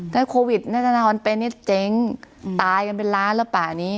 ถ้าโควิดนัฐนาฮรณเป็นนิตเจ๊งตายกันเป็นล้านหรือเปล่านี้